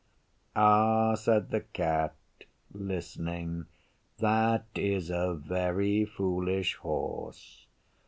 'Ah,' said the Cat, listening, 'that is a very foolish Horse.